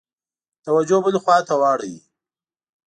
توجه بلي خواته واړوي.